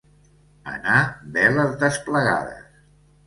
Anar veles desplegades.